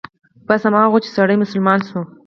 بس هماغه و چې سړى مسلمان شو.